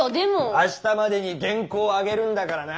あしたまでに原稿を上げるんだからな。